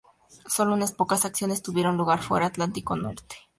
Sólo unas pocas acciones tuvieron lugar fuera Atlántico norte.